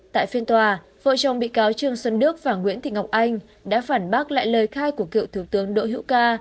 tại phiên tòa vợ chồng bị cáo trương xuân đức và nguyễn thị ngọc anh đã phản bác lại lời khai của cựu thủ tướng đỗ hữu ca